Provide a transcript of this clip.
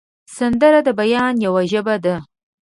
سندره د بیان یوه ژبه ده